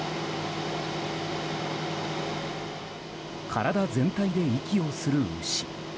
体全体で息をする牛。